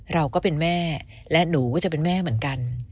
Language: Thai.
เราก็เป็นแม่และหนูก็จะเป็นแม่เหมือนกัน